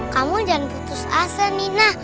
kamu jangan putus asa mina